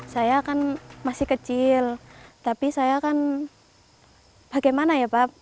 saya kan masih kecil tapi saya kan bagaimana ya pak